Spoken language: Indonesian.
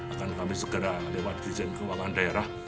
akan kami segera lewat dirjen keuangan daerah